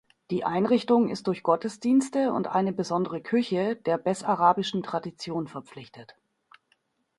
Die Einrichtung ist durch Gottesdienste und eine besondere Küche der bessarabischen Tradition verpflichtet.